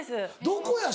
どこや？